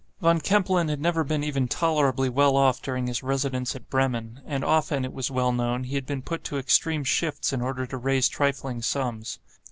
Von Kempelen had never been even tolerably well off during his residence at Bremen; and often, it was well known, he had been put to extreme shifts in order to raise trifling sums.